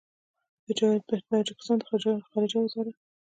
د تاجکستان د خارجه وزارت